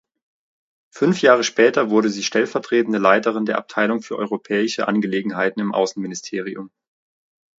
Fünf Jahre später wurde sie stellvertretende Leiterin der Abteilung für europäische Angelegenheiten im Außenministerium.